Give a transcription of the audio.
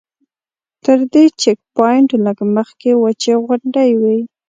تر دې چیک پواینټ لږ مخکې وچې غونډۍ وې.